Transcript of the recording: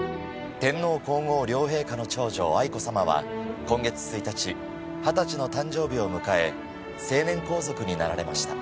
天皇皇后両陛下の長女愛子さまは今月１日二十歳の誕生日を迎え成年皇族になられました。